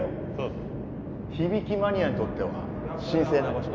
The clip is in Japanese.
響きマニアにとっては神聖な場所。